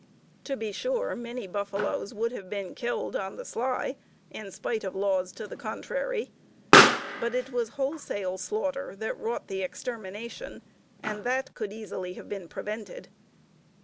To be sure, many buffaloes would have been killed on the sly in spite of laws to the contrary, but it was wholesale slaughter that wrought the extermination, and that could easily have been prevented.